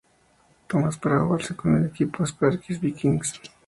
Thomas para jugar con el equipo Sparky’s Vikings.